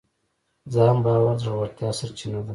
ځان باور د زړورتیا سرچینه ده.